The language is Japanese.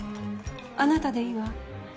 あなたでいいわ。